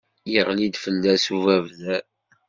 Iɣli-d fell-as ubabder.